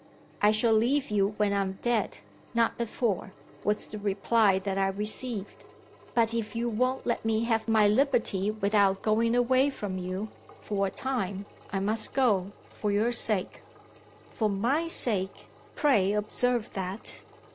"I shall leave you when I'm dead not before," was the reply that I received. "But if you won't let me have my liberty without going away from you, for a time, I must go for your sake." (For my sake! Pray observe that.)